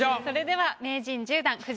それでは名人１０段